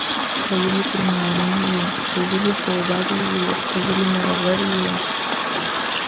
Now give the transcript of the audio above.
ته ولې پر ماڼي یې .ته ولې خوابدی یې .ته ولې مرور یې